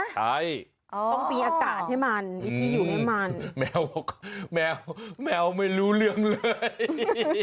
ต้องปีอากาศให้มันวิธีอยู่ให้มันแมวไม่รู้เรื่องเลย